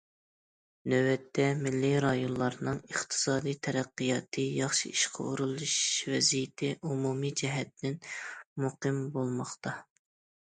نۆۋەتتە مىللىي رايونلارنىڭ ئىقتىسادىي تەرەققىياتى ياخشى، ئىشقا ئورۇنلىشىش ۋەزىيىتى ئومۇمىي جەھەتتىن مۇقىم بولماقتا.